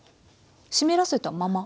湿らせたまま？